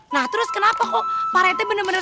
nah terus kenapa kok pak rete bener bener